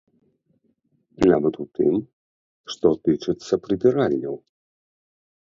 Нават у тым, што тычыцца прыбіральняў.